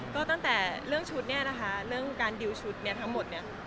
ก็ตั้งแต่เรื่องชุดเนี่ยนะคะเรื่องการดิวชุดเนี่ยทั้งหมดเนี่ย